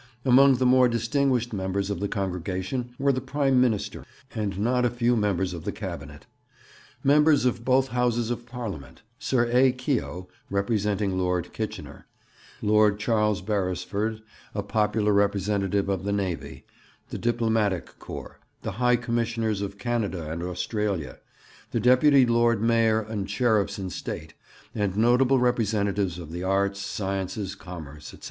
Among the more distinguished members of the congregation were the Prime Minister and not a few members of the Cabinet; members of both Houses of Parliament; Sir A. Keogh (representing Lord Kitchener); Lord Charles Beresford, a popular representative of the Navy; the Diplomatic Corps; the High Commissioners of Canada and Australia; the Deputy Lord Mayor and Sheriffs in state; and notable representatives of the arts, sciences, commerce, &c.